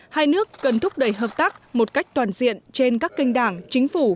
hai nước cần thúc đẩy hợp tác một cách toàn diện trên các kênh đảng chính phủ